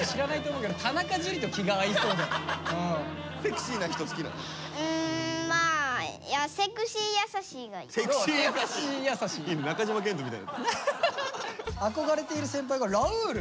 うんまあ憧れている先輩がラウール？